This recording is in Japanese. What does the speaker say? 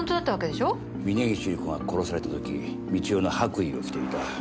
峰岸百合子が殺された時美千代の白衣を着ていた。